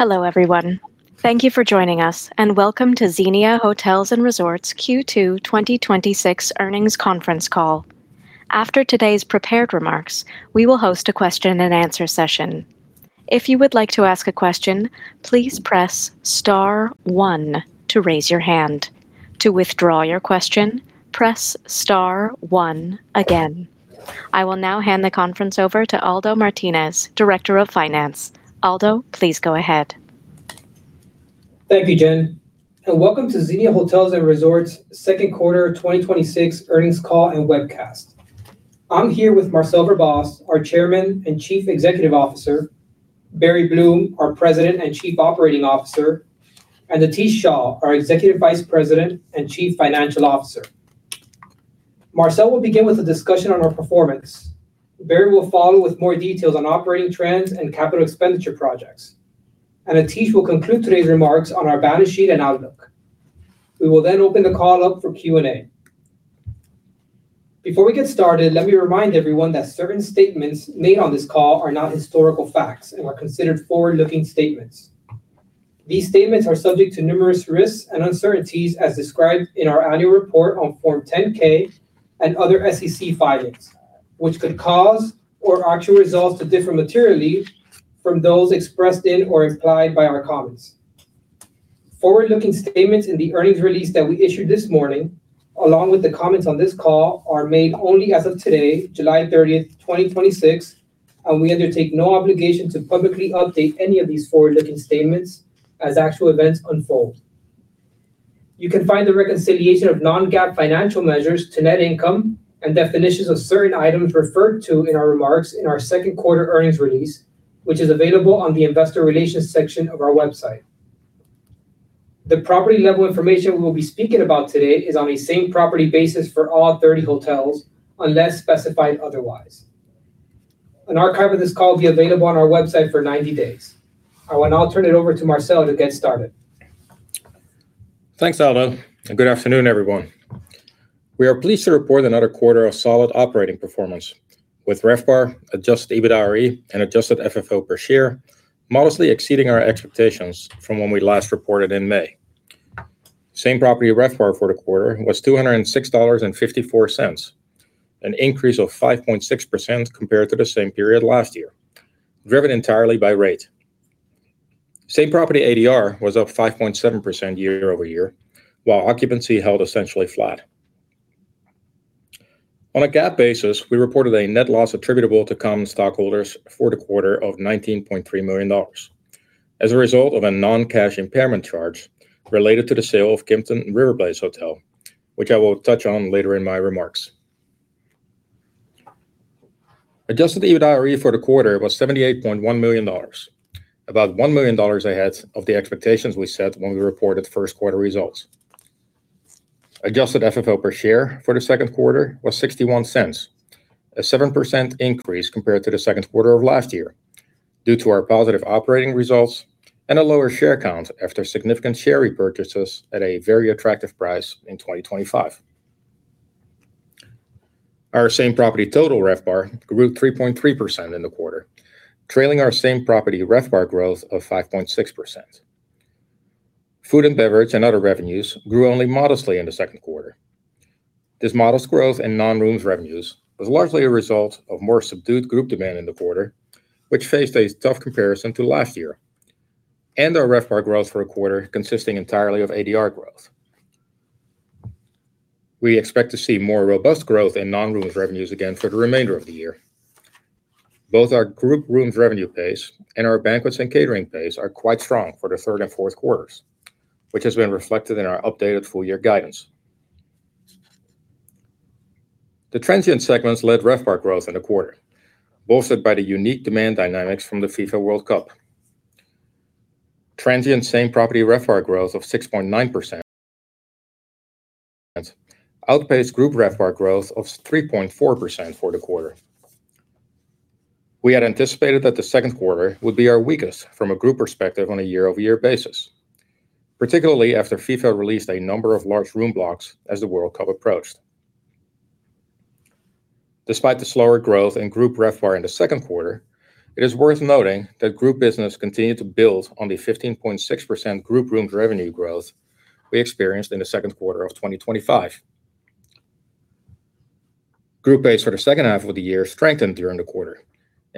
Hello, everyone. Thank you for joining us, and welcome to Xenia Hotels & Resorts Q2 2026 earnings conference call. After today's prepared remarks, we will host a question and answer session. If you would like to ask a question, please press star one to raise your hand. To withdraw your question, press star one again. I will now hand the conference over to Aldo Martinez, Director of Finance. Aldo, please go ahead. Thank you, Jen, and welcome to Xenia Hotels & Resorts second quarter 2026 earnings call and webcast. I'm here with Marcel Verbaas, our Chairman and Chief Executive Officer, Barry Bloom, our President and Chief Operating Officer, and Atish Shah, our Executive Vice President and Chief Financial Officer. Marcel will begin with a discussion on our performance. Barry will follow with more details on operating trends and capital expenditure projects. Atish will conclude today's remarks on our balance sheet and outlook. We will then open the call up for question-and-answer. Before we get started, let me remind everyone that certain statements made on this call are not historical facts and are considered forward-looking statements. These statements are subject to numerous risks and uncertainties as described in our annual report on Form 10-K and other SEC filings, which could cause our actual results to differ materially from those expressed in or implied by our comments. Forward-looking statements in the earnings release that we issued this morning, along with the comments on this call, are made only as of today, July 30th, 2026, and we undertake no obligation to publicly update any of these forward-looking statements as actual events unfold. You can find the reconciliation of Non-GAAP financial measures to net income and definitions of certain items referred to in our remarks in our second quarter earnings release, which is available on the investor relations section of our website. The property-level information we'll be speaking about today is on a same property basis for all 30 hotels, unless specified otherwise. An archive of this call will be available on our website for 90 days. I will now turn it over to Marcel to get started. Thanks, Aldo, and good afternoon, everyone. We are pleased to report another quarter of solid operating performance with RevPAR, Adjusted EBITDAre, and Adjusted FFO per share modestly exceeding our expectations from when we last reported in May. Same property RevPAR for the quarter was $206.54, an increase of 5.6% compared to the same period last year, driven entirely by rate. Same property ADR was up 5.7% year-over-year, while occupancy held essentially flat. On a GAAP basis, we reported a net loss attributable to common stockholders for the quarter of $19.3 million as a result of a non-cash impairment charge related to the sale of Kimpton RiverPlace Hotel, which I will touch on later in my remarks. Adjusted EBITDAre for the quarter was $78.1 million, about $1 million ahead of the expectations we set when we reported first quarter results. Adjusted FFO per share for the second quarter was $0.61, a 7% increase compared to the second quarter of last year due to our positive operating results and a lower share count after significant share repurchases at a very attractive price in 2025. Our same property Total RevPAR grew 3.3% in the quarter, trailing our same property RevPAR growth of 5.6%. Food and beverage and other revenues grew only modestly in the second quarter. This modest growth in non-rooms revenues was largely a result of more subdued group demand in the quarter, which faced a tough comparison to last year, and our RevPAR growth for a quarter consisting entirely of ADR growth. We expect to see more robust growth in non-rooms revenues again for the remainder of the year. Both our group rooms revenue pace and our banquets and catering pace are quite strong for the third quarter and fourth quarter, which has been reflected in our updated full-year guidance. The transient segments led RevPAR growth in the quarter, bolstered by the unique demand dynamics from the FIFA World Cup. Transient same property RevPAR growth of 6.9% outpaced group RevPAR growth of 3.4% for the quarter. We had anticipated that the second quarter would be our weakest from a group perspective on a year-over-year basis, particularly after FIFA released a number of large room blocks as the World Cup approached. Despite the slower growth in group RevPAR in the second quarter, it is worth noting that group business continued to build on the 15.6% group rooms revenue growth we experienced in the second quarter of 2025. Group pace for the second half of the year strengthened during the quarter.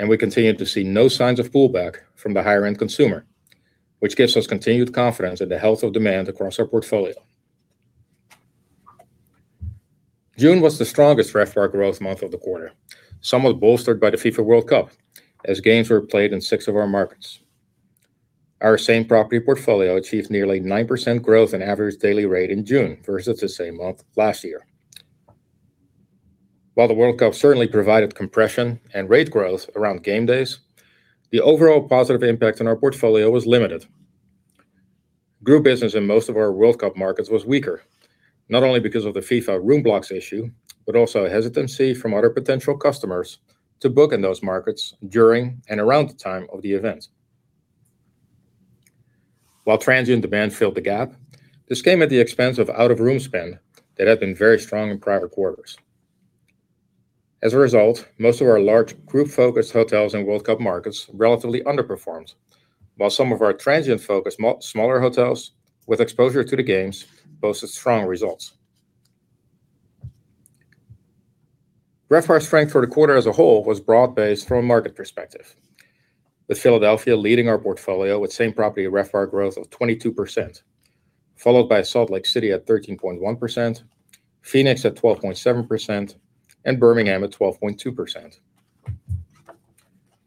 We continued to see no signs of pullback from the higher-end consumer, which gives us continued confidence in the health of demand across our portfolio. June was the strongest RevPAR growth month of the quarter, somewhat bolstered by the FIFA World Cup as games were played in six of our markets. Our same property portfolio achieved nearly 9% growth in average daily rate in June versus the same month last year. While the World Cup certainly provided compression and rate growth around game days, the overall positive impact on our portfolio was limited. Group business in most of our World Cup markets was weaker, not only because of the FIFA room blocks issue, but also a hesitancy from other potential customers to book in those markets during and around the time of the event. While transient demand filled the gap, this came at the expense of out-of-room spend that had been very strong in prior quarters. As a result, most of our large group-focused hotels in World Cup markets relatively underperformed. While some of our transient-focused smaller hotels with exposure to the games boasted strong results. RevPAR's fourth quarter as a whole was broad-based from a market perspective, with Philadelphia leading our portfolio with same-property RevPAR growth of 22%, followed by Salt Lake City at 13.1%, Phoenix at 12.7%, and Birmingham at 12.2%.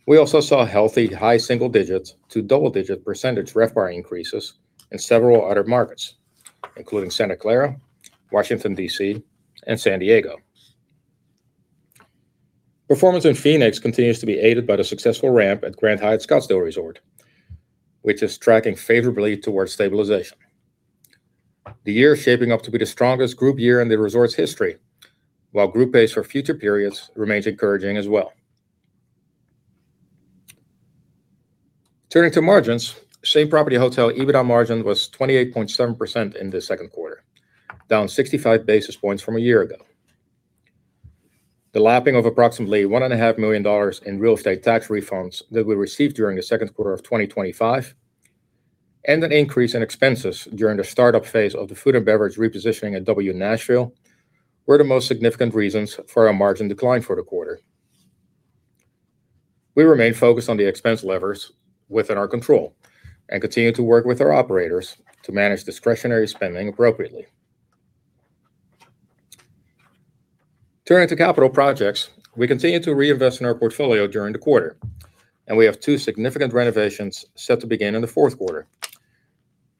We also saw healthy high single digits to double-digit percentage RevPAR increases in several other markets, including Santa Clara, Washington, D.C., and San Diego. Performance in Phoenix continues to be aided by the successful ramp at Grand Hyatt Scottsdale Resort, which is tracking favorably towards stabilization. The year is shaping up to be the strongest group year in the resort's history, while group pace for future periods remains encouraging as well. Turning to margins, same-property Hotel EBITDA margin was 28.7% in the second quarter, down 65 basis points from a year ago. The lapping of approximately $1.5 million in real estate tax refunds that we received during the second quarter of 2025, and an increase in expenses during the start-up phase of the food and beverage repositioning at W Nashville, were the most significant reasons for our margin decline for the quarter. We remain focused on the expense levers within our control and continue to work with our operators to manage discretionary spending appropriately. Turning to capital projects, we continue to reinvest in our portfolio during the quarter, and we have two significant renovations set to begin in the fourth quarter.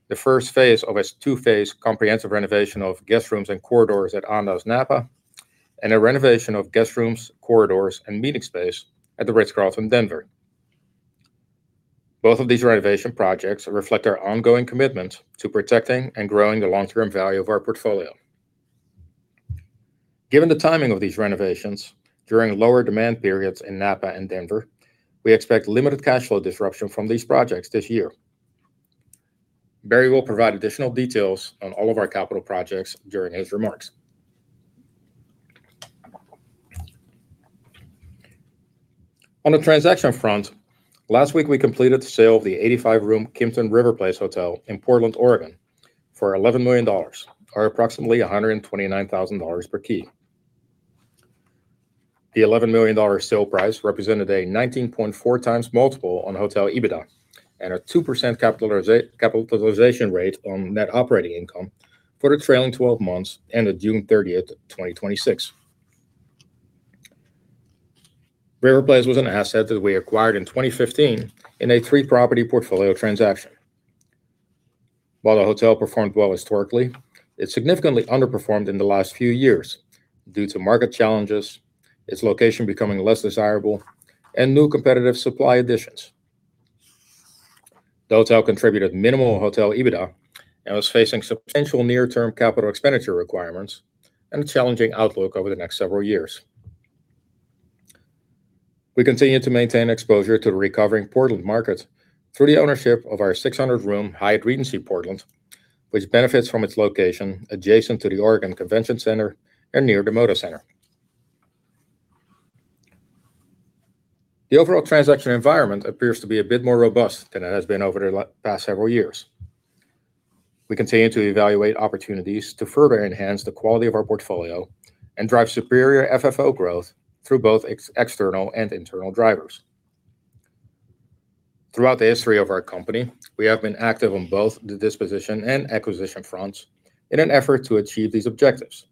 The first phase of a two-phase comprehensive renovation of guest rooms and corridors at Andaz Napa, and a renovation of guest rooms, corridors, and meeting space at the Ritz-Carlton Denver. Both of these renovation projects reflect our ongoing commitment to protecting and growing the long-term value of our portfolio. Given the timing of these renovations during lower demand periods in Napa and Denver, we expect limited cash flow disruption from these projects this year. Barry will provide additional details on all of our capital projects during his remarks. On the transaction front, last week we completed the sale of the 85-room Kimpton RiverPlace Hotel in Portland, Oregon for $11 million, or approximately $129,000 per key. The $11 million sale price represented a 19.4x multiple on Hotel EBITDA and a 2% capitalization rate on Net Operating Income for the trailing 12 months ended June 30th, 2026. RiverPlace was an asset that we acquired in 2015 in a three-property portfolio transaction. While the hotel performed well historically, it significantly underperformed in the last few years due to market challenges, its location becoming less desirable, and new competitive supply additions. The hotel contributed minimal Hotel EBITDA and was facing substantial near-term CapEx requirements and a challenging outlook over the next several years. We continue to maintain exposure to the recovering Portland market through the ownership of our 600-room Hyatt Regency Portland, which benefits from its location adjacent to the Oregon Convention Center and near the Moda Center. The overall transaction environment appears to be a bit more robust than it has been over the past several years. We continue to evaluate opportunities to further enhance the quality of our portfolio and drive superior FFO growth through both external and internal drivers. Throughout the history of our company, we have been active on both the disposition and acquisition fronts in an effort to achieve these objectives.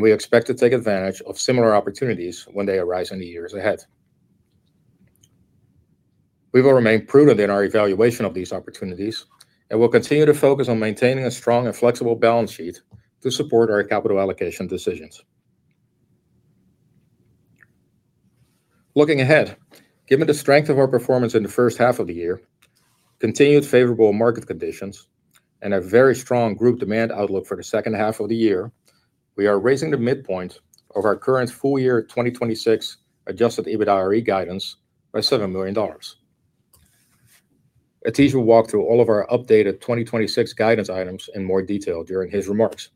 We expect to take advantage of similar opportunities when they arise in the years ahead. We will remain prudent in our evaluation of these opportunities, and we'll continue to focus on maintaining a strong and flexible balance sheet to support our capital allocation decisions. Looking ahead, given the strength of our performance in the first half of the year, continued favorable market conditions, and a very strong group demand outlook for the second half of the year, we are raising the midpoint of our current full-year 2026 Adjusted EBITDAre guidance by $7 million. Atish will walk through all of our updated 2026 guidance items in more detail during his remarks.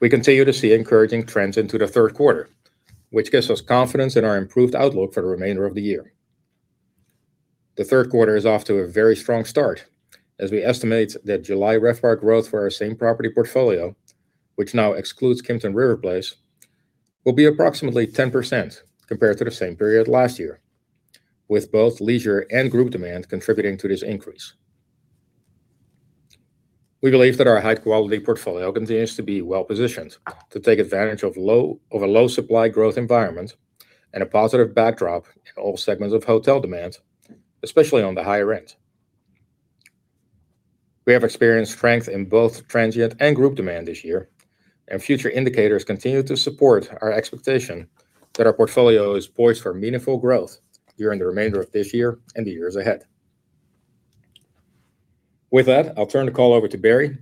We continue to see encouraging trends into the third quarter, which gives us confidence in our improved outlook for the remainder of the year. The third quarter is off to a very strong start, as we estimate that July RevPAR growth for our same-property portfolio, which now excludes Kimpton RiverPlace, will be approximately 10% compared to the same period last year, with both leisure and group demand contributing to this increase. We believe that our high-quality portfolio continues to be well-positioned to take advantage of a low supply growth environment and a positive backdrop in all segments of hotel demand, especially on the higher end. We have experienced strength in both transient and group demand this year, and future indicators continue to support our expectation that our portfolio is poised for meaningful growth during the remainder of this year and the years ahead. With that, I'll turn the call over to Barry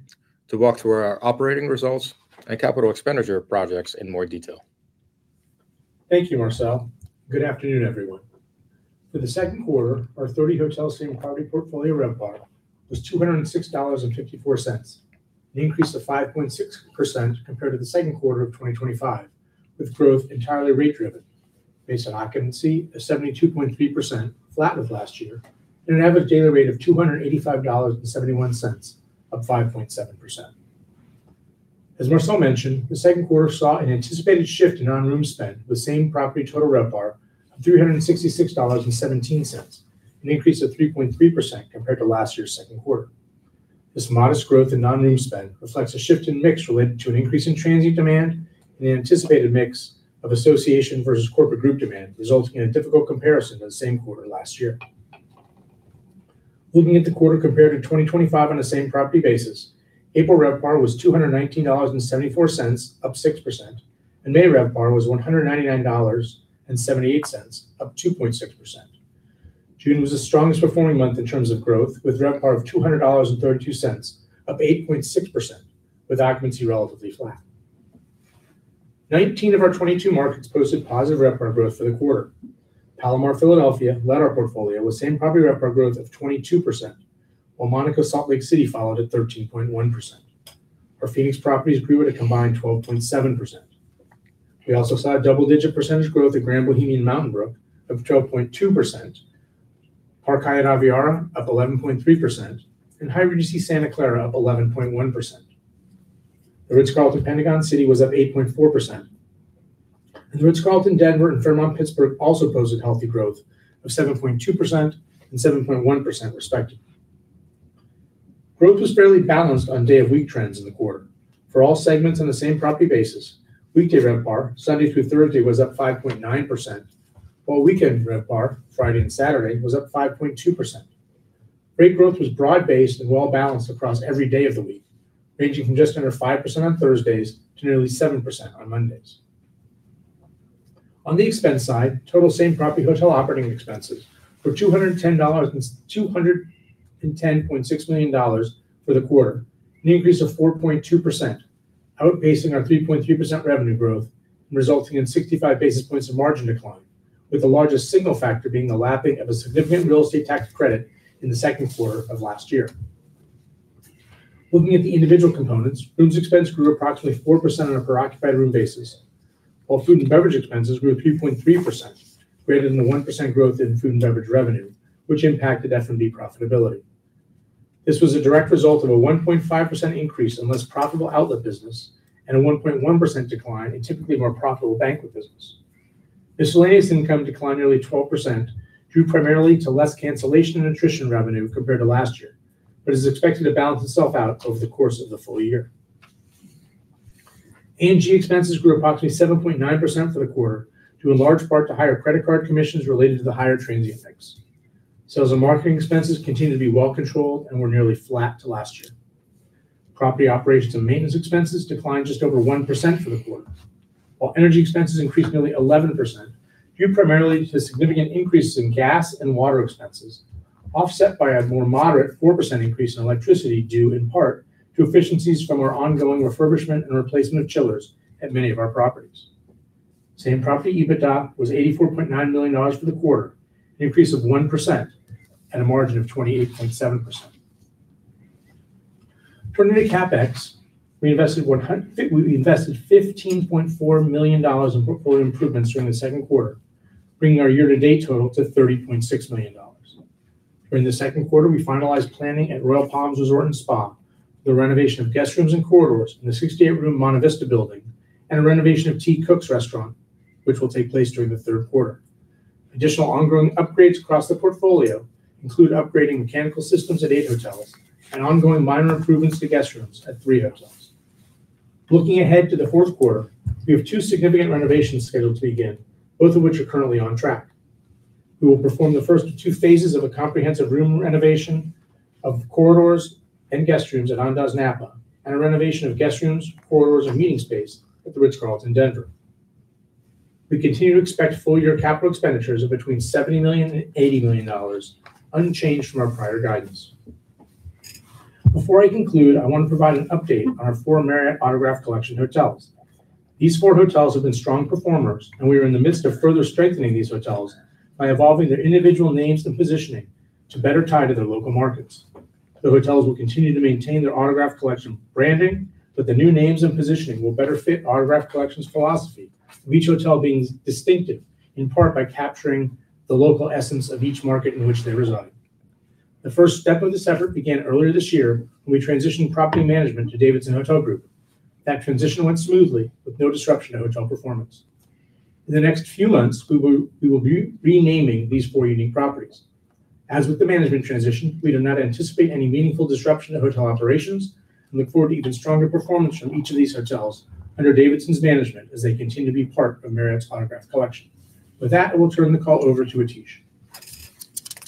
to walk through our operating results and capital expenditure projects in more detail. Thank you, Marcel. Good afternoon, everyone. For the second quarter, our 30 hotel same property portfolio RevPAR was $206.54, an increase of 5.6% compared to the second quarter of 2025, with growth entirely rate-driven based on occupancy of 72.3%, flat with last year, and an average daily rate of $285.71, up 5.7%. As Marcel mentioned, the second quarter saw an anticipated shift in non-room spend, with same property Total RevPAR of $366.17, an increase of 3.3% compared to last year's second quarter. This modest growth in non-room spend reflects a shift in mix related to an increase in transient demand and an anticipated mix of association versus corporate group demand, resulting in a difficult comparison to the same quarter last year. Looking at the quarter compared to 2025 on a same property basis, April RevPAR was $219.74, up 6%, and May RevPAR was $199.78, up 2.6%. June was the strongest performing month in terms of growth, with RevPAR of $200.32, up 8.6%, with occupancy relatively flat. 19 of our 22 markets posted positive RevPAR growth for the quarter. Kimpton Hotel Palomar Philadelphia led our portfolio with same property RevPAR growth of 22%, while Kimpton Hotel Monaco Salt Lake City followed at 13.1%. Our Phoenix properties grew at a combined 12.7%. We also saw double-digit percentage growth at Grand Bohemian Hotel Mountain Brook of 12.2%, Park Hyatt Aviara up 11.3%, and Hyatt Regency Santa Clara up 11.1%. The Ritz-Carlton, Pentagon City was up 8.4%, and The Ritz-Carlton, Denver and Fairmont Pittsburgh also posted healthy growth of 7.2% and 7.1% respectively. Growth was fairly balanced on day of week trends in the quarter. For all segments on a same property basis, weekday RevPAR, Sunday through Thursday, was up 5.9%, while weekend RevPAR, Friday and Saturday, was up 5.2%. Rate growth was broad-based and well-balanced across every day of the week, ranging from just under 5% on Thursdays to nearly 7% on Mondays. On the expense side, total same property hotel operating expenses for $210.6 million for the quarter, an increase of 4.2%, outpacing our 3.3% revenue growth and resulting in 65 basis points of margin decline, with the largest single factor being the lapping of a significant real estate tax credit in the second quarter of last year. Looking at the individual components, rooms expense grew approximately 4% on a per occupied room basis, while food and beverage expenses grew at 3.3%, greater than the 1% growth in food and beverage revenue, which impacted F&B profitability. This was a direct result of a 1.5% increase in less profitable outlet business and a 1.1% decline in typically more profitable banquet business. Miscellaneous income declined nearly 12%, due primarily to less cancellation and attrition revenue compared to last year, but is expected to balance itself out over the course of the full year. A&G expenses grew approximately 7.9% for the quarter, due in large part to higher credit card commissions related to the higher transient mix. Sales and marketing expenses continue to be well controlled and were nearly flat to last year. Property operations and maintenance expenses declined just over 1% for the quarter, while energy expenses increased nearly 11%, due primarily to significant increases in gas and water expenses, offset by a more moderate 4% increase in electricity, due in part to efficiencies from our ongoing refurbishment and replacement of chillers at many of our properties. Same property EBITDA was $84.9 million for the quarter, an increase of 1%, and a margin of 28.7%. Turning to CapEx, we invested $15.4 million in portfolio improvements during the second quarter, bringing our year-to-date total to $30.6 million. During the second quarter, we finalized planning at Royal Palms Resort and Spa for the renovation of guest rooms and corridors in the 68-room Monte Vista building and a renovation of T. Cook's Restaurant, which will take place during the third quarter. Additional ongoing upgrades across the portfolio include upgrading mechanical systems at eight hotels and ongoing minor improvements to guest rooms at three hotels. Looking ahead to the fourth quarter, we have two significant renovations scheduled to begin, both of which are currently on track. We will perform the first of two phases of a comprehensive room renovation of corridors and guest rooms at Andaz Napa and a renovation of guest rooms, corridors, and meeting space at The Ritz-Carlton, Denver. We continue to expect full year capital expenditures of between $70 million and $80 million, unchanged from our prior guidance. Before I conclude, I want to provide an update on our four Marriott Autograph Collection hotels. These four hotels have been strong performers, and we are in the midst of further strengthening these hotels by evolving their individual names and positioning to better tie to their local markets. The hotels will continue to maintain their Autograph Collection branding, but the new names and positioning will better fit Autograph Collection's philosophy, with each hotel being distinctive in part by capturing the local essence of each market in which they reside. The first step of this effort began earlier this year when we transitioned property management to Davidson Hospitality Group. That transition went smoothly with no disruption of hotel performance. In the next few months, we will be renaming these four unique properties. As with the management transition, we do not anticipate any meaningful disruption to hotel operations and look forward to even stronger performance from each of these hotels under Davidson's management as they continue to be part of Marriott's Autograph Collection. With that, I will turn the call over to Atish.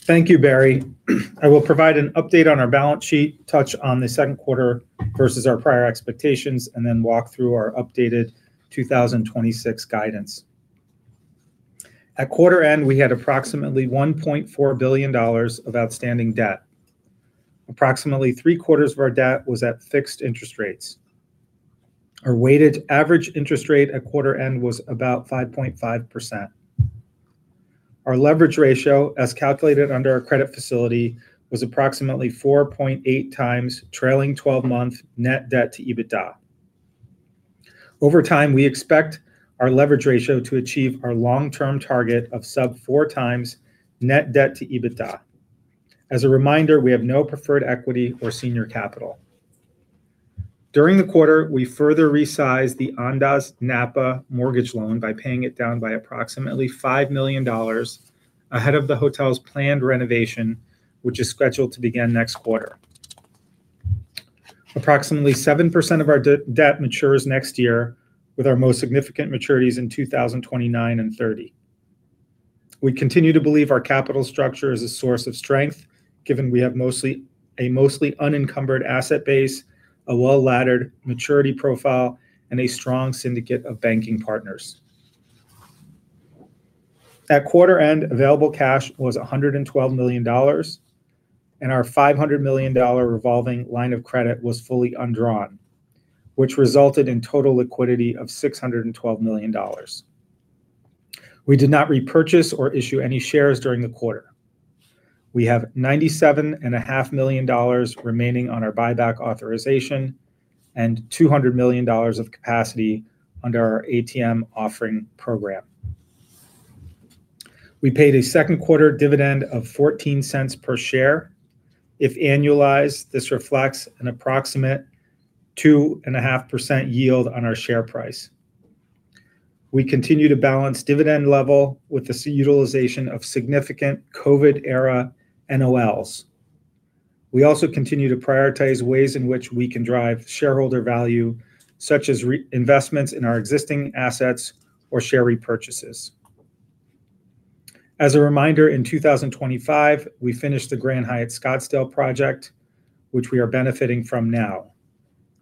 Thank you, Barry. I will provide an update on our balance sheet, touch on the second quarter versus our prior expectations, and then walk through our updated 2026 guidance. At quarter end, we had approximately $1.4 billion of outstanding debt. Approximately three-quarters of our debt was at fixed interest rates. Our weighted average interest rate at quarter end was about 5.5%. Our leverage ratio, as calculated under our credit facility, was approximately 4.8x trailing 12-month net debt-to-EBITDA. Over time, we expect our leverage ratio to achieve our long-term target of sub 4x net debt-to-EBITDA. As a reminder, we have no preferred equity or senior capital. During the quarter, we further resized the Andaz Napa mortgage loan by paying it down by approximately $5 million ahead of the hotel's planned renovation, which is scheduled to begin next quarter. Approximately 7% of our debt matures next year, with our most significant maturities in 2029 and 2030. We continue to believe our capital structure is a source of strength, given we have a mostly unencumbered asset base, a well-laddered maturity profile, and a strong syndicate of banking partners. At quarter end, available cash was $112 million, and our $500 million revolving line of credit was fully undrawn, which resulted in total liquidity of $612 million. We did not repurchase or issue any shares during the quarter. We have $97.5 million remaining on our buyback authorization, and $200 million of capacity under our ATM offering program. We paid a second quarter dividend of $0.14 per share. If annualized, this reflects an approximate 2.5% yield on our share price. We continue to balance dividend level with the utilization of significant COVID era NOLs. We also continue to prioritize ways in which we can drive shareholder value, such as investments in our existing assets or share repurchases. As a reminder, in 2025, we finished the Grand Hyatt Scottsdale project, which we are benefiting from now,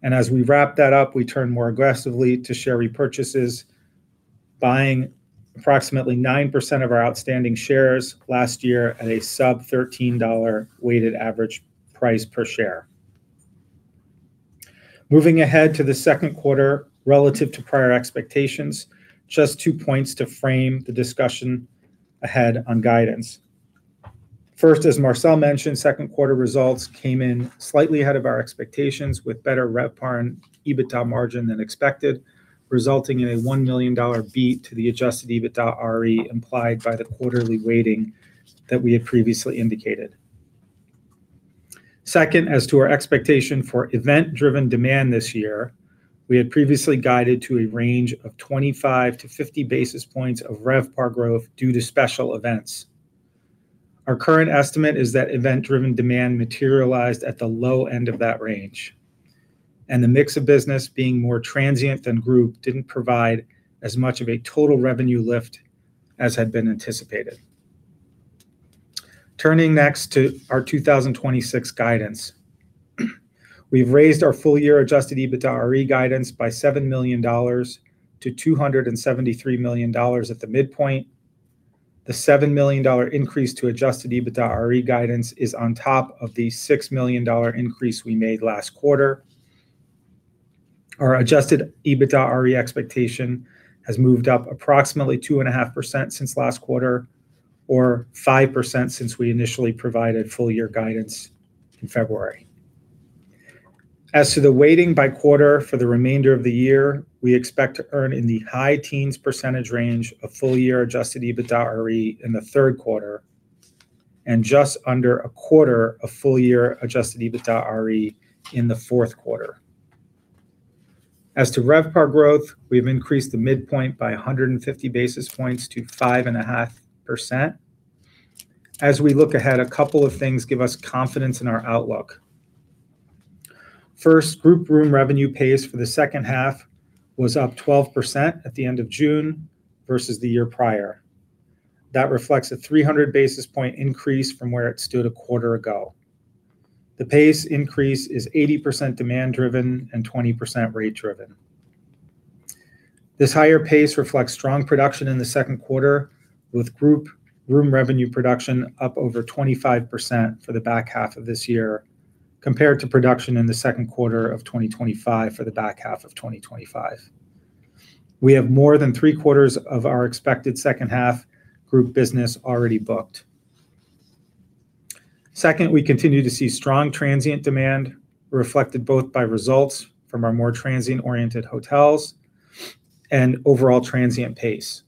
and as we wrap that up, we turn more aggressively to share repurchases, buying approximately 9% of our outstanding shares last year at a sub-$13 weighted average price per share. Moving ahead to the second quarter relative to prior expectations, just two points to frame the discussion ahead on guidance. First, as Marcel mentioned, second quarter results came in slightly ahead of our expectations, with better RevPAR and EBITDA margin than expected, resulting in a $1 million beat to the Adjusted EBITDAre implied by the quarterly weighting that we had previously indicated. Second, as to our expectation for event-driven demand this year, we had previously guided to a range of 25 basis points-50 basis points of RevPAR growth due to special events. Our current estimate is that event-driven demand materialized at the low end of that range, and the mix of business being more transient than group didn't provide as much of a total revenue lift as had been anticipated. Turning next to our 2026 guidance. We've raised our full-year Adjusted EBITDAre guidance by $7 million-$273 million at the midpoint. The $7 million increase to Adjusted EBITDAre guidance is on top of the $6 million increase we made last quarter. Our Adjusted EBITDAre expectation has moved up approximately 2.5% since last quarter, or 5% since we initially provided full-year guidance in February. As to the weighting by quarter for the remainder of the year, we expect to earn in the high teens percentage range of full-year Adjusted EBITDAre in the third quarter, and just under a quarter of full-year Adjusted EBITDAre in the fourth quarter. As to RevPAR growth, we've increased the midpoint by 150 basis points to 5.5%. As we look ahead, a couple of things give us confidence in our outlook. First, group room revenue pace for the second half was up 12% at the end of June versus the year prior. That reflects a 300 basis point increase from where it stood a quarter ago. The pace increase is 80% demand-driven and 20% rate-driven. This higher pace reflects strong production in the second quarter, with group room revenue production up over 25% for the back half of this year compared to production in the second quarter of 2025 for the back half of 2025. We have more than three-quarters of our expected second half group business already booked. Second, we continue to see strong transient demand reflected both by results from our more transient-oriented hotels and overall transient pace.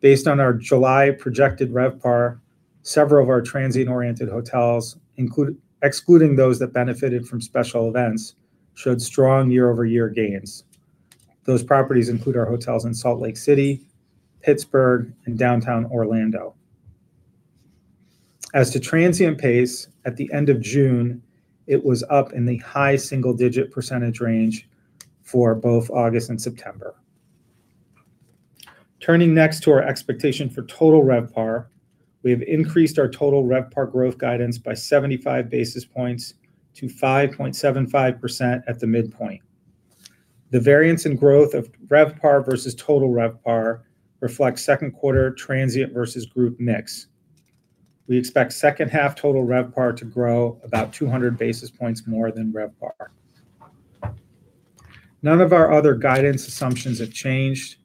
Based on our July projected RevPAR, several of our transient-oriented hotels, excluding those that benefited from special events, showed strong year-over-year gains. Those properties include our hotels in Salt Lake City, Pittsburgh, and downtown Orlando. As to transient pace, at the end of June, it was up in the high single-digit percentage range for both August and September. Turning next to our expectation for total RevPAR, we have increased our total RevPAR growth guidance by 75 basis points to 5.75% at the midpoint. The variance in growth of RevPAR versus total RevPAR reflects second quarter transient versus group mix. We expect second-half total RevPAR to grow about 200 basis points more than RevPAR. None of our other guidance assumptions have changed.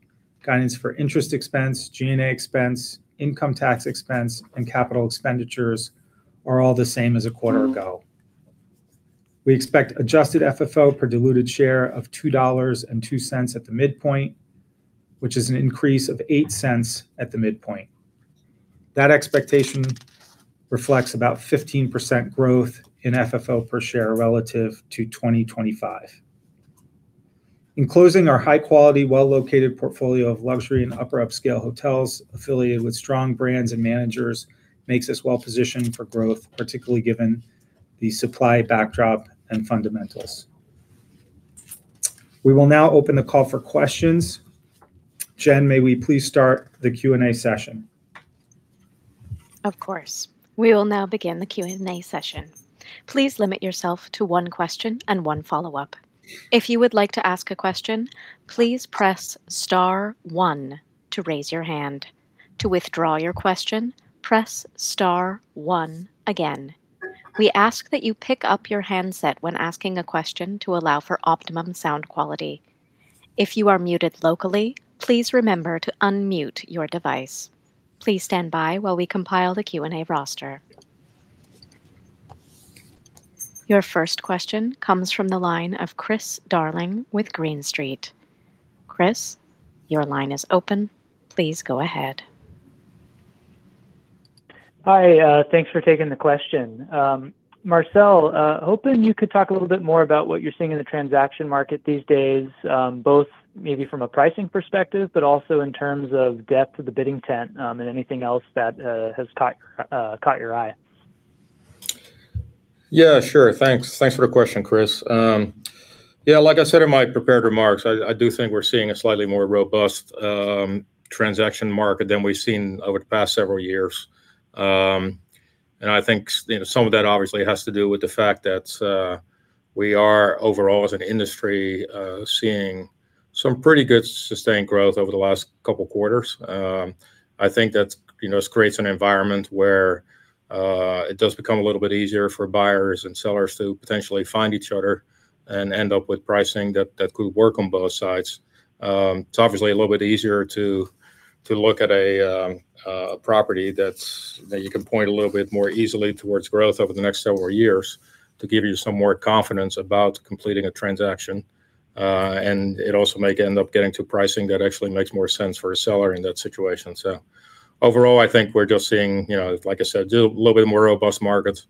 Guidance for interest expense, G&A expense, income tax expense, and capital expenditures are all the same as a quarter ago. We expect Adjusted FFO per diluted share of $2.02 at the midpoint, which is an increase of $0.08 at the midpoint. That expectation reflects about 15% growth in FFO per share relative to 2025. In closing, our high-quality, well-located portfolio of luxury and upper upscale hotels affiliated with strong brands and managers makes us well-positioned for growth, particularly given the supply backdrop and fundamentals. We will now open the call for questions. Jen, may we please start the question-and-answer session? Of course. We will now begin the question-and-answer session. Please limit yourself to one question and one follow-up. If you would like to ask a question, please press star one to raise your hand. To withdraw your question, press star one again. We ask that you pick up your handset when asking a question to allow for optimum sound quality. If you are muted locally, please remember to unmute your device. Please stand by while we compile the question-and-answer roster. Your first question comes from the line of Chris Darling with Green Street. Chris, your line is open. Please go ahead. Hi. Thanks for taking the question. Marcel, hoping you could talk a little bit more about what you're seeing in the transaction market these days, both maybe from a pricing perspective, but also in terms of depth of the bidding tent, and anything else that has caught your eye. Sure. Thanks for the question, Chris. Like I said in my prepared remarks, I do think we're seeing a slightly more robust transaction market than we've seen over the past several years. I think some of that obviously has to do with the fact that we are overall, as an industry, seeing some pretty good sustained growth over the last couple of quarters. I think that this creates an environment where it does become a little bit easier for buyers and sellers to potentially find each other and end up with pricing that could work on both sides. It's obviously a little bit easier to look at a property that you can point a little bit more easily towards growth over the next several years to give you some more confidence about completing a transaction. It also may end up getting to pricing that actually makes more sense for a seller in that situation. Overall, I think we're just seeing, like I said, a little bit more robust markets.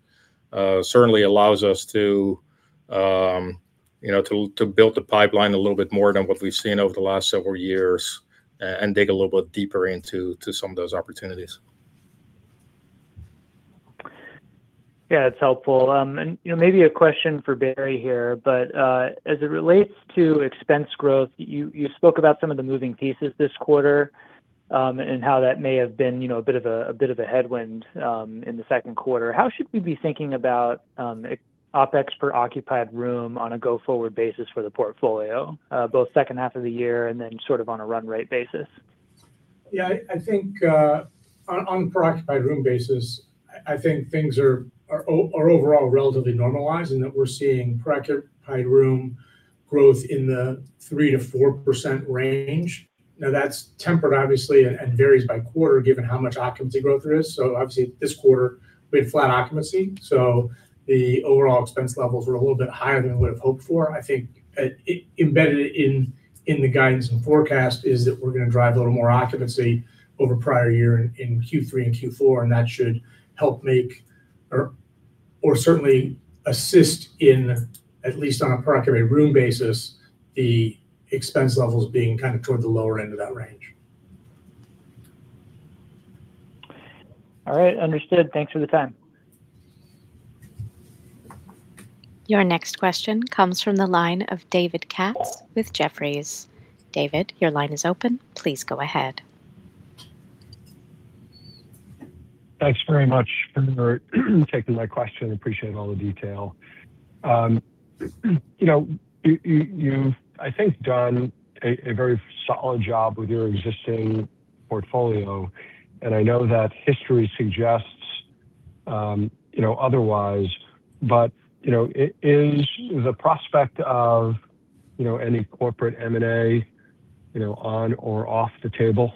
Certainly allows us to build the pipeline a little bit more than what we've seen over the last several years and dig a little bit deeper into some of those opportunities. That's helpful. Maybe a question for Barry here, as it relates to expense growth, you spoke about some of the moving pieces this quarter, and how that may have been a bit of a headwind in the second quarter. How should we be thinking about OpEx per occupied room on a go-forward basis for the portfolio, both second half of the year and then sort of on a run-rate basis? I think on an per occupied room basis, I think things are overall relatively normalized in that we're seeing per occupied room growth in the 3%-4% range. That's tempered, obviously, and varies by quarter, given how much occupancy growth there is. Obviously, this quarter, we had flat occupancy, so the overall expense levels were a little bit higher than we would've hoped for. I think embedded in the guidance and forecast is that we're going to drive a little more occupancy over prior year in Q3 and Q4, and that should help make or certainly assist in, at least on a per occupied room basis, the expense levels being kind of toward the lower end of that range. All right. Understood. Thanks for the time. Your next question comes from the line of David Katz with Jefferies. David, your line is open. Please go ahead. Thanks very much for taking my question. Appreciate all the detail. You've, I think, done a very solid job with your existing portfolio, and I know that history suggests otherwise, but is the prospect of any corporate M&A on or off the table?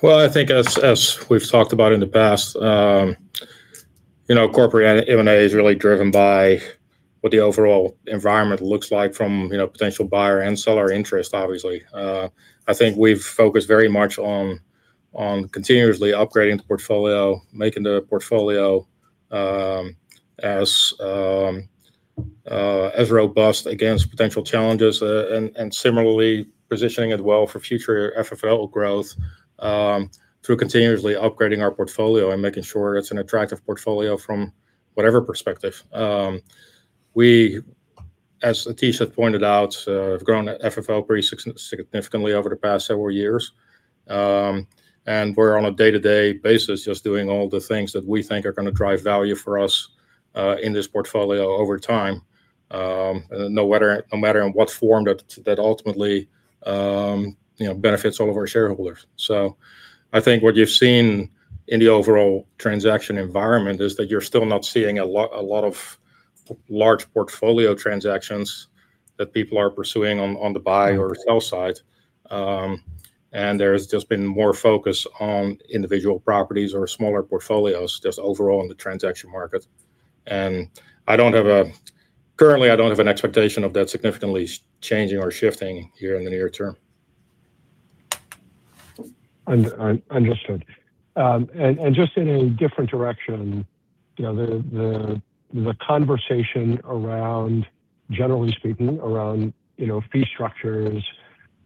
Well, I think as we've talked about in the past, corporate M&A is really driven by what the overall environment looks like from potential buyer and seller interest, obviously. I think we've focused very much on continuously upgrading the portfolio, making the portfolio as robust against potential challenges, and similarly positioning it well for future FFO growth through continuously upgrading our portfolio and making sure it's an attractive portfolio from whatever perspective. We As Atish has pointed out, we've grown FFO pretty significantly over the past several years. We're on a day-to-day basis just doing all the things that we think are going to drive value for us in this portfolio over time, no matter in what form that ultimately benefits all of our shareholders. I think what you've seen in the overall transaction environment is that you're still not seeing a lot of large portfolio transactions that people are pursuing on the buy or sell side. There's just been more focus on individual properties or smaller portfolios just overall in the transaction market. Currently, I don't have an expectation of that significantly changing or shifting here in the near term. Understood. Just in a different direction, the conversation around, generally speaking, fee structures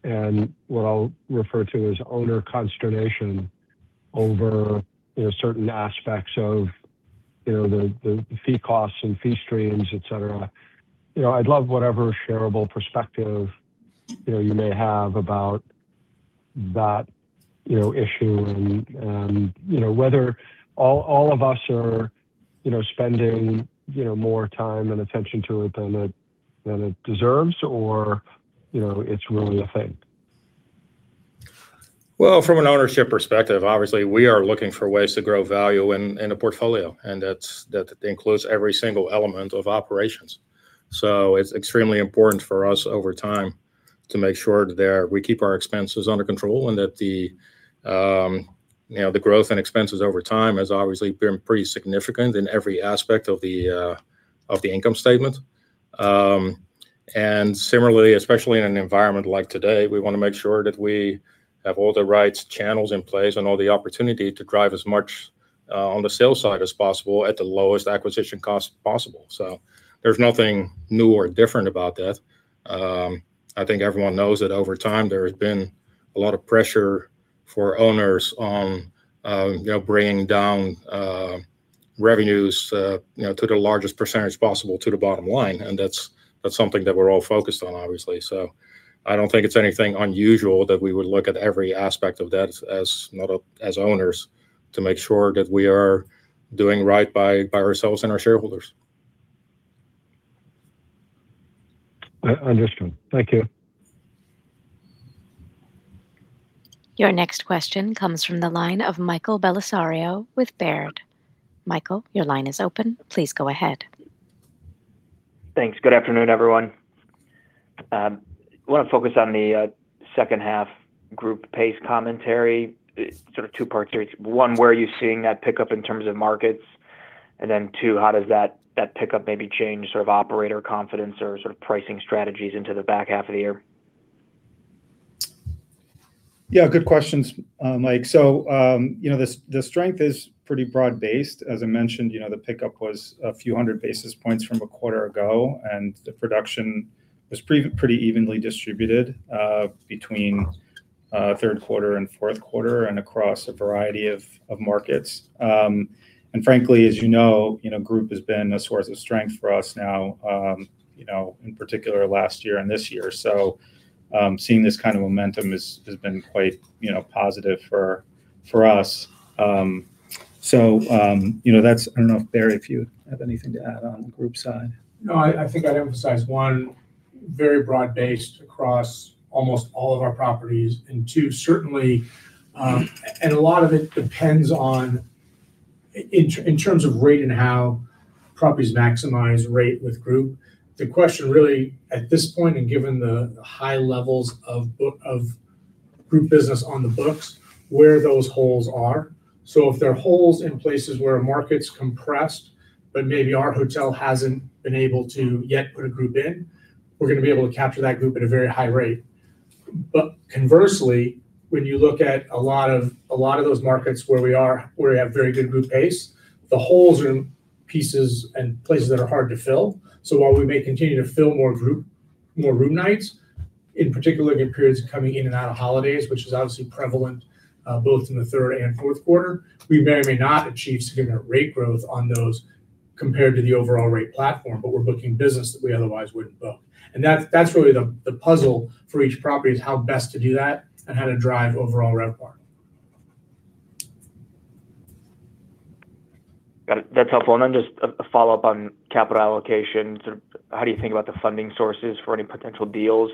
and what I'll refer to as owner consternation over certain aspects of the fee costs and fee streams, et cetera. I'd love whatever shareable perspective you may have about that issue and whether all of us are spending more time and attention to it than it deserves or it's really a thing. Well, from an ownership perspective, obviously, we are looking for ways to grow value in a portfolio, and that includes every single element of operations. It's extremely important for us over time to make sure that we keep our expenses under control and that the growth and expenses over time has obviously been pretty significant in every aspect of the income statement. Similarly, especially in an environment like today, we want to make sure that we have all the right channels in place and all the opportunity to drive as much on the sales side as possible at the lowest acquisition cost possible. There's nothing new or different about that. I think everyone knows that over time there has been a lot of pressure for owners on bringing down revenues to the largest percentage possible to the bottom line. That's something that we're all focused on, obviously. I don't think it's anything unusual that we would look at every aspect of that as owners to make sure that we are doing right by ourselves and our shareholders. Understood. Thank you. Your next question comes from the line of Michael Bellisario with Baird. Michael, your line is open. Please go ahead. Thanks. Good afternoon, everyone. I want to focus on the second half group pace commentary, sort of two parts here. One, where are you seeing that pickup in terms of markets? Then two, how does that pickup maybe change sort of operator confidence or sort of pricing strategies into the back half of the year? Yeah, good questions, Mike. The strength is pretty broad-based. As I mentioned, the pickup was a few hundred basis points from a quarter ago, and the production was pretty evenly distributed between third quarter and fourth quarter across a variety of markets. Frankly, as you know, group has been a source of strength for us now, in particular last year and this year. Seeing this kind of momentum has been quite positive for us. I don't know, Barry, if you have anything to add on the group side. I think I'd emphasize, one, very broad-based across almost all of our properties. Two, certainly, and a lot of it depends on, in terms of rating how properties maximize rate with group. The question really at this point, and given the high levels of group business on the books, where those holes are. If there are holes in places where a market's compressed, but maybe our hotel hasn't been able to yet put a group in, we're going to be able to capture that group at a very high rate. Conversely, when you look at a lot of those markets where we have very good group pace, the holes are in pieces and places that are hard to fill. While we may continue to fill more room nights, in particular in periods coming in and out of holidays, which is obviously prevalent both in the third quarter and fourth quarter, we may or may not achieve significant rate growth on those compared to the overall rate platform, but we're booking business that we otherwise wouldn't book. That's really the puzzle for each property is how best to do that and how to drive overall RevPAR. Got it. That's helpful. Just a follow-up on capital allocation. How do you think about the funding sources for any potential deals?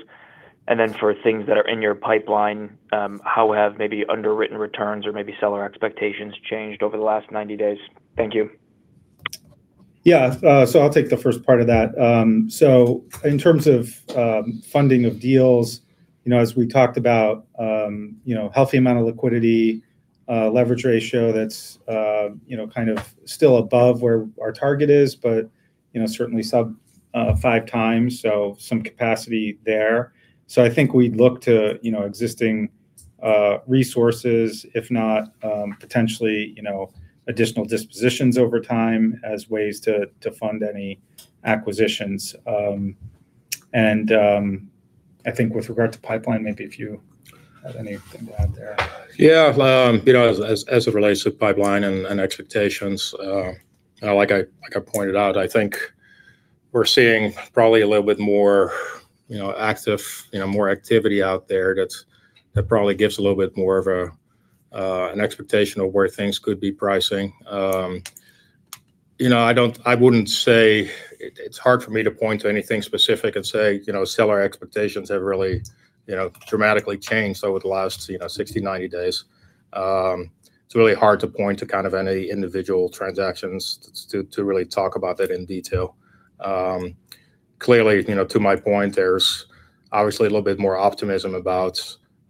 For things that are in your pipeline, how have maybe underwritten returns or maybe seller expectations changed over the last 90 days? Thank you. Yeah. I'll take the first part of that. In terms of funding of deals, as we talked about, healthy amount of liquidity, leverage ratio that's kind of still above where our target is, but certainly sub 5x, some capacity there. I think we'd look to existing resources, if not potentially additional dispositions over time as ways to fund any acquisitions. I think with regard to pipeline, maybe if you have anything to add there. Yeah. As it relates to pipeline and expectations, like I pointed out, I think we're seeing probably a little bit more activity out there that probably gives a little bit more of an expectation of where things could be pricing. It's hard for me to point to anything specific and say seller expectations have really dramatically changed over the last 60 days-90 days. It's really hard to point to any individual transactions to really talk about that in detail. Clearly, to my point, there's obviously a little bit more optimism about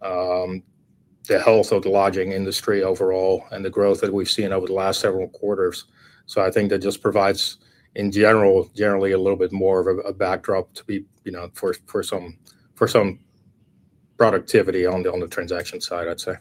the health of the lodging industry overall and the growth that we've seen over the last several quarters. I think that just provides, in general, generally a little bit more of a backdrop to be for some productivity on the transaction side, I'd say.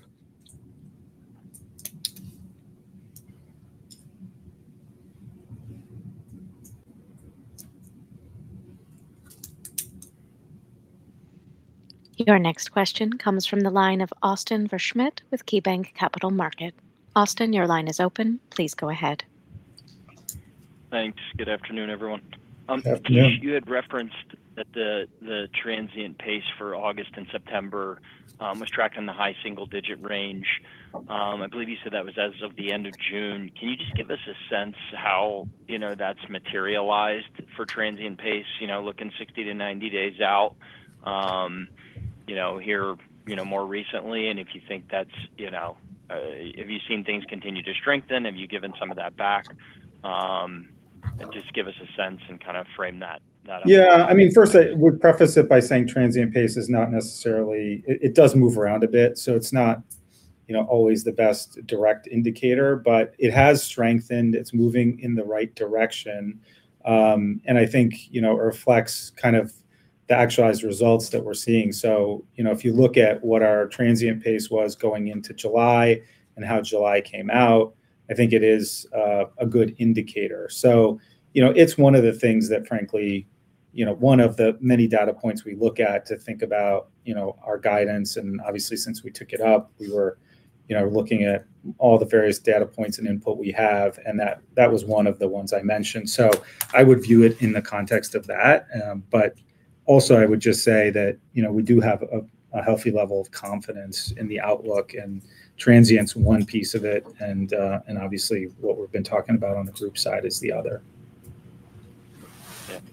Your next question comes from the line of Austin Wurschmidt with KeyBanc Capital Markets. Austin, your line is open. Please go ahead. Thanks. Good afternoon, everyone. Afternoon. Atish, you had referenced that the transient pace for August and September was tracking the high single-digit range. I believe you said that was as of the end of June. Can you just give us a sense how that's materialized for transient pace, looking 60 days-90 days out here more recently, and if you've seen things continue to strengthen, have you given some of that back? Just give us a sense and frame that up. First, I would preface it by saying transient pace, it does move around a bit, so it's not always the best direct indicator. It has strengthened, it's moving in the right direction, and I think reflects the actualized results that we're seeing. If you look at what our transient pace was going into July and how July came out, I think it is a good indicator. It's one of the many data points we look at to think about our guidance, and obviously since we took it up, we were looking at all the various data points and input we have, and that was one of the ones I mentioned. I would view it in the context of that. I would just say that we do have a healthy level of confidence in the outlook, and transient's one piece of it, and obviously what we've been talking about on the group side is the other.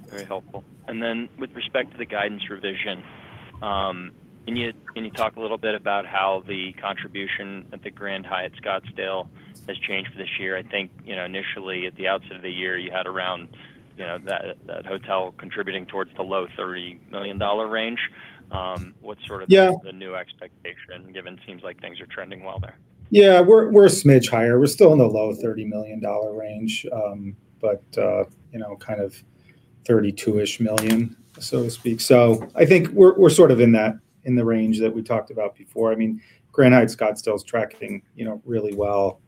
Very helpful. With respect to the guidance revision, can you talk a little bit about how the contribution at the Grand Hyatt Scottsdale has changed for this year? I think initially, at the outset of the year, you had around that hotel contributing towards the low $30 million range. Yeah. What's the new expectation given it seems like things are trending well there? Yeah. We're a smidge higher. We're still in the low $30 million range. Kind of $32 million, so to speak. I think we're sort of in the range that we talked about before. Grand Hyatt Scottsdale is tracking really well,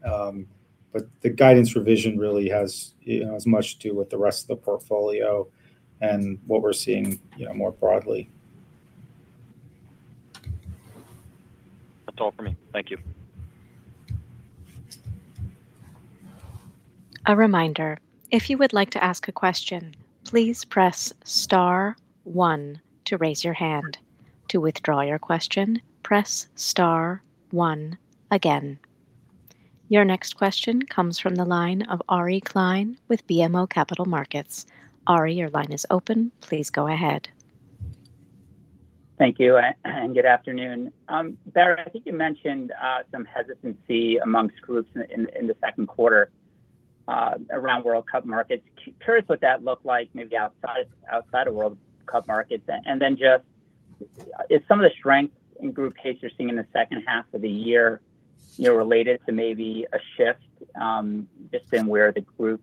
but the guidance revision really has as much to do with the rest of the portfolio and what we're seeing more broadly. That's all from me. Thank you. A reminder, if you would like to ask a question, please press star one to raise your hand. To withdraw your question, press star one again. Your next question comes from the line of Ari Klein with BMO Capital Markets. Ari, your line is open. Please go ahead. Thank you, good afternoon. Barry, I think you mentioned some hesitancy amongst groups in the second quarter around World Cup markets. Curious what that looked like maybe outside of World Cup markets. Then if some of the strength in group pace you're seeing in the second half of the year related to maybe a shift, in where the group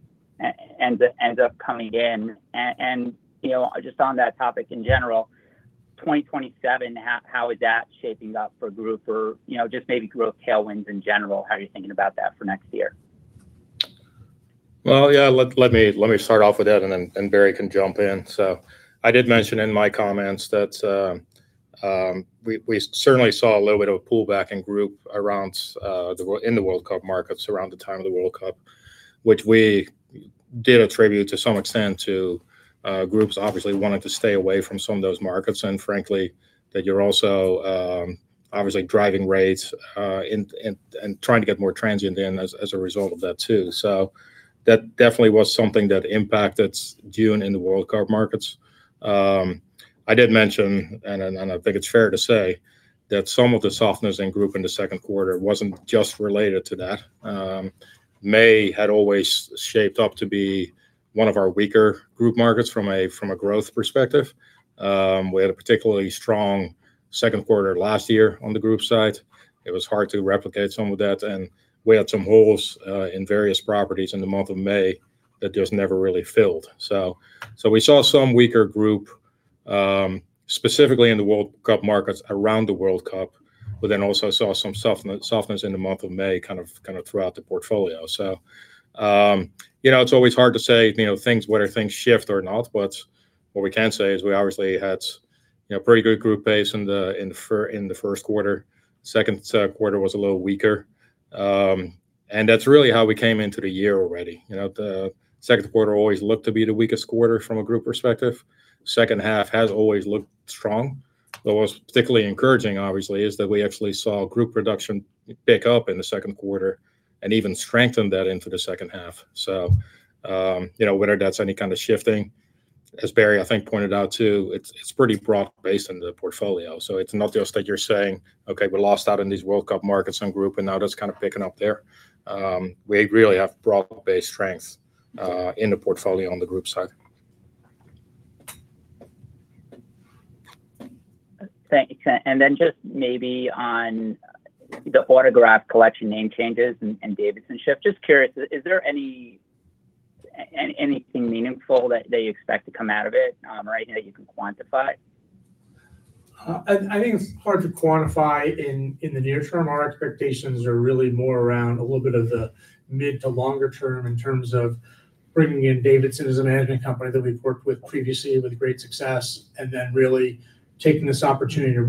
ends up coming in. On that topic in general, 2027, how is that shaping up for group, or maybe growth tailwinds in general, how are you thinking about that for next year? Yeah. Let me start off with that, and then Barry can jump in. I did mention in my comments that we certainly saw a little bit of a pullback in group in the World Cup markets around the time of the World Cup, which we did attribute to some extent to groups obviously wanting to stay away from some of those markets, and frankly, that you're also obviously driving rates and trying to get more transient in as a result of that, too. That definitely was something that impacted June in the World Cup markets. I did mention, and I think it's fair to say that some of the softness in group in the second quarter wasn't just related to that. May had always shaped up to be one of our weaker group markets from a growth perspective. We had a particularly strong second quarter last year on the group side. It was hard to replicate some of that, and we had some holes in various properties in the month of May that just never really filled. We saw some weaker group, specifically in the World Cup markets around the World Cup, but then also saw some softness in the month of May throughout the portfolio. It's always hard to say whether things shift or not, but what we can say is we obviously had pretty good group pace in the first quarter. Second quarter was a little weaker. That's really how we came into the year already. The second quarter always looked to be the weakest quarter from a group perspective. Second half has always looked strong. What's particularly encouraging, obviously, is that we actually saw group production pick up in the second quarter, and even strengthen that into the second half. Whether that's any kind of shifting, as Barry, I think, pointed out too, it's pretty broad-based in the portfolio. It's not just that you're saying, "Okay, we lost out in these World Cup markets and group, and now just kind of picking up there." We really have broad-based strength in the portfolio on the group side. Thanks. Then just maybe on the Autograph Collection name changes and Davidson shift, just curious, is there anything meaningful that they expect to come out of it right now that you can quantify? I think it's hard to quantify in the near term. Our expectations are really more around a little bit of the mid to longer term in terms of bringing in Davidson as a management company that we've worked with previously with great success, then really taking this opportunity to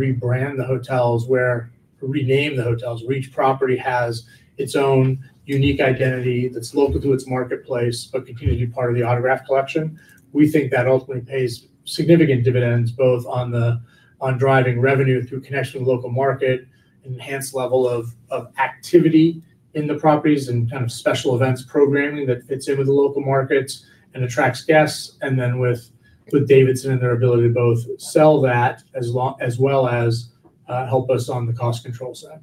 rename the hotels, where each property has its own unique identity that's local to its marketplace, but continue to be part of the Autograph Collection. We think that ultimately pays significant dividends, both on driving revenue through connection with local market, enhanced level of activity in the properties, and special events programming that fits in with the local markets and attracts guests, and then with Davidson and their ability to both sell that as well as help us on the cost control side.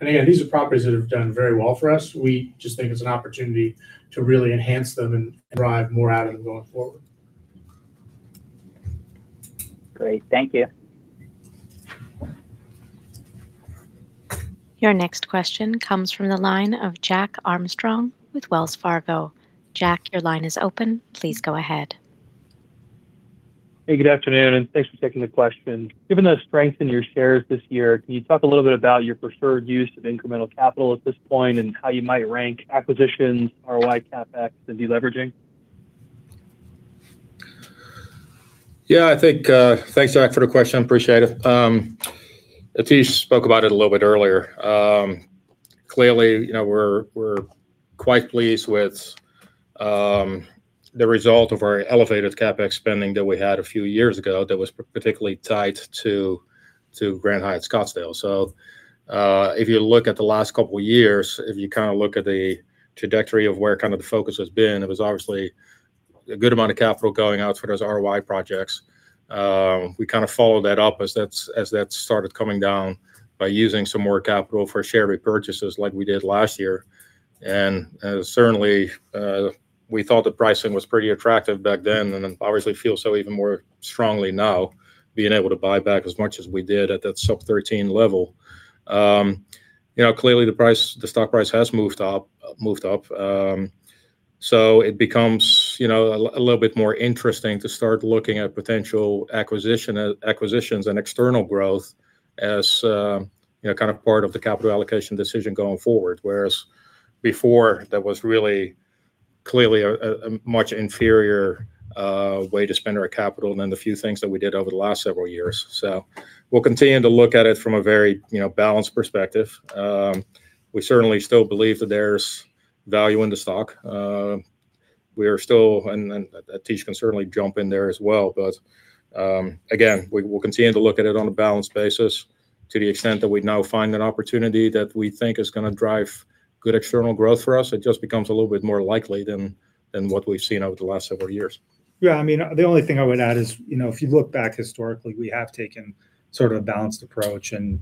Again, these are properties that have done very well for us. We just think it's an opportunity to really enhance them and derive more out of them going forward. Great. Thank you. Your next question comes from the line of Jack Armstrong with Wells Fargo. Jack, your line is open. Please go ahead. Good afternoon, thanks for taking the question. Given the strength in your shares this year, can you talk a little bit about your preferred use of incremental capital at this point and how you might rank acquisitions, ROI, CapEx, and deleveraging? Yeah, I think, thanks, Jack, for the question. Appreciate it. Atish spoke about it a little bit earlier. Clearly, we're quite pleased with the result of our elevated CapEx spending that we had a few years ago that was particularly tied to Grand Hyatt Scottsdale. If you look at the last couple of years, if you look at the trajectory of where the focus has been, it was obviously a good amount of capital going out for those ROI projects. We followed that up as that started coming down by using some more capital for share repurchases like we did last year. Certainly, we thought the pricing was pretty attractive back then, and obviously feel so even more strongly now, being able to buy back as much as we did at that sub 13 level. Clearly, the stock price has moved up, it becomes a little bit more interesting to start looking at potential acquisitions and external growth as part of the capital allocation decision going forward. Whereas before, that was really clearly a much inferior way to spend our capital than the few things that we did over the last several years. We'll continue to look at it from a very balanced perspective. We certainly still believe that there's value in the stock. Atish can certainly jump in there as well, again, we will continue to look at it on a balanced basis to the extent that we now find an opportunity that we think is going to drive good external growth for us. It just becomes a little bit more likely than what we've seen over the last several years. Yeah. The only thing I would add is, if you look back historically, we have taken a balanced approach and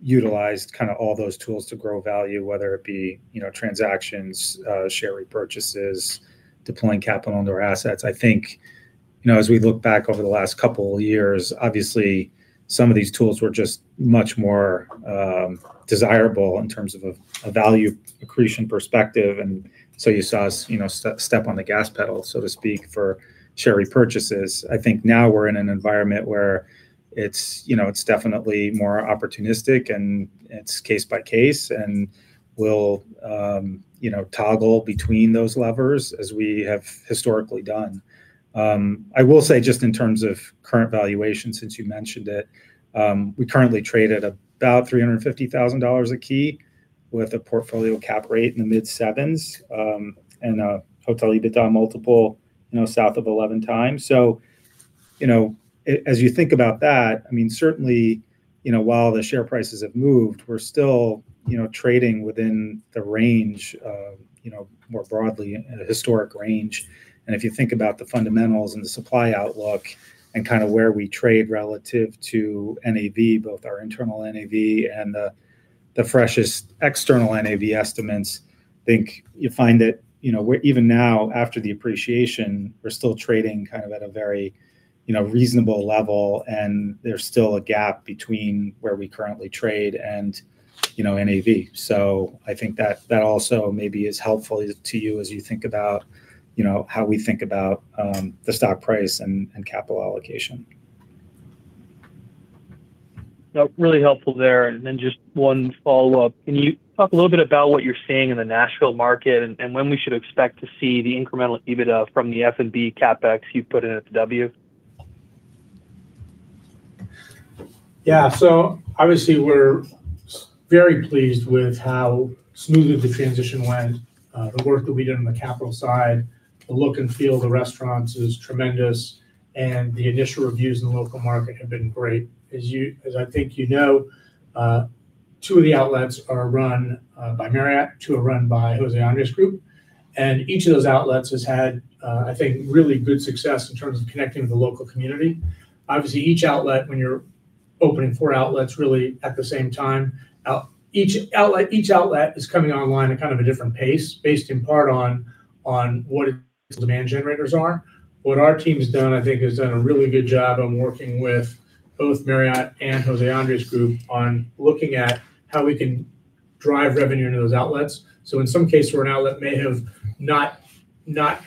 utilized all those tools to grow value, whether it be transactions, share repurchases, deploying capital into our assets. I think, as we look back over the last couple of years, obviously, some of these tools were just much more desirable in terms of a value accretion perspective, you saw us step on the gas pedal, so to speak, for share repurchases. I think now we're in an environment where it's definitely more opportunistic, it's case by case, we'll toggle between those levers as we have historically done. I will say, just in terms of current valuation, since you mentioned it, we currently trade at about $350,000 a key with a portfolio cap rate in the mid sevens, and a Hotel EBITDA multiple south of 11x. As you think about that, certainly, while the share prices have moved, we're still trading within the range of, more broadly, a historic range. If you think about the fundamentals and the supply outlook and where we trade relative to NAV, both our internal NAV and the freshest external NAV estimates, I think you'll find that even now after the appreciation, we're still trading at a very reasonable level, and there's still a gap between where we currently trade and NAV. I think that also may be as helpful to you as you think about how we think about the stock price and capital allocation. Really helpful there. Just one follow-up. Can you talk a little bit about what you're seeing in the Nashville market and when we should expect to see the incremental EBITDA from the F&B CapEx you've put in at the W? Obviously, we're very pleased with how smoothly the transition went, the work that we did on the capital side. The look and feel of the restaurants is tremendous, and the initial reviews in the local market have been great. As I think you know, two of the outlets are run by Marriott, two are run by José Andrés Group, and each of those outlets has had, I think, really good success in terms of connecting with the local community. Obviously, each outlet, when you're opening four outlets really at the same time, each outlet is coming online at a different pace, based in part on what its demand generators are. What our team's done, I think, has done a really good job on working with both Marriott and José Andrés Group on looking at how we can drive revenue into those outlets. In some cases, where an outlet may have not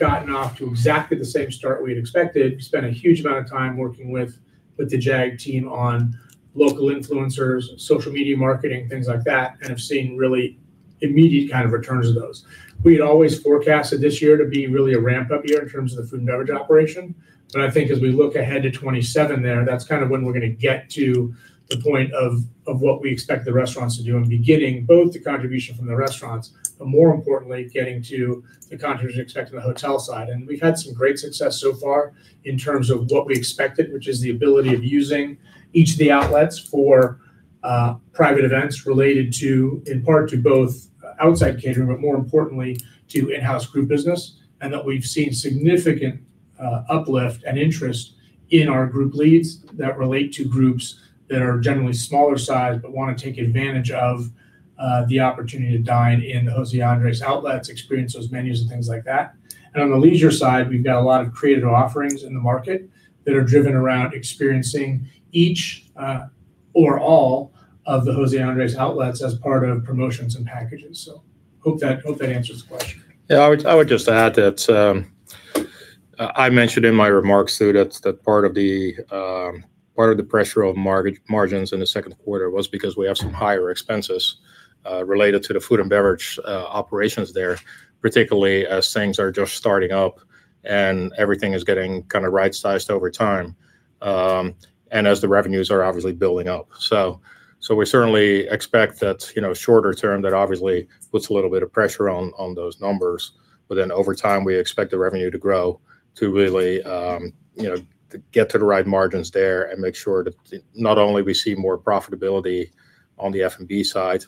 gotten off to exactly the same start we had expected, we spent a huge amount of time working with the JAG team on local influencers, social media marketing, things like that, and have seen really immediate returns of those. We had always forecasted this year to be really a ramp-up year in terms of the food and beverage operation. I think as we look ahead to 2027 there, that's when we're going to get to the point of what we expect the restaurants to do, and be getting both the contribution from the restaurants, but more importantly, getting to the contribution we expect from the hotel side. We've had some great success so far in terms of what we expected, which is the ability of using each of the outlets for private events related in part to both outside catering, but more importantly, to in-house group business. That we've seen significant uplift and interest in our group leads that relate to groups that are generally smaller size, but want to take advantage of the opportunity to dine in José Andrés' outlets, experience those menus and things like that. On the leisure side, we've got a lot of creative offerings in the market that are driven around experiencing each, or all, of the José Andrés outlets as part of promotions and packages. Hope that answers the question. I would just add that I mentioned in my remarks, too, that part of the pressure of margins in the second quarter was because we have some higher expenses related to the food and beverage operations there, particularly as things are just starting up and everything is getting right-sized over time, as the revenues are obviously building up. We certainly expect that shorter term, that obviously puts a little bit of pressure on those numbers. Over time, we expect the revenue to grow to really get to the right margins there and make sure that not only we see more profitability on the F&B side,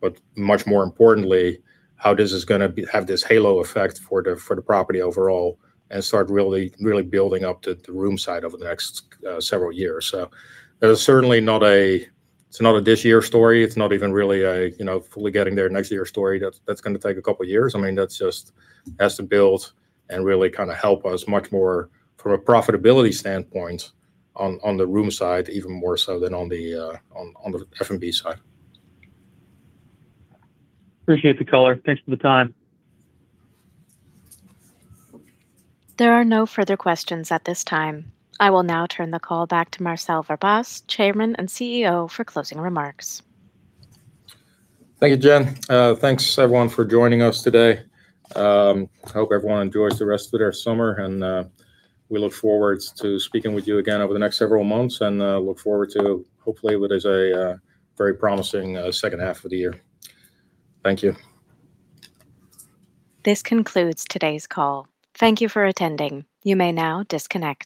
but much more importantly, how this is going to have this halo effect for the property overall and start really building up the room side over the next several years. It's not a this-year story. It's not even really a fully getting there next year story. That's going to take a couple of years. That just has to build and really help us much more from a profitability standpoint on the room side, even more so than on the F&B side. Appreciate the color. Thanks for the time. There are no further questions at this time. I will now turn the call back to Marcel Verbaas, Chairman and Chief Executive Officer, for closing remarks. Thank you, Jen. Thanks everyone for joining us today. Hope everyone enjoys the rest of their summer. We look forward to speaking with you again over the next several months and look forward to, hopefully, what is a very promising second half of the year. Thank you. This concludes today's call. Thank you for attending. You may now disconnect.